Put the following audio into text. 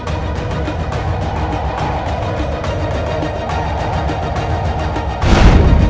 aku akan menemukan sosok asli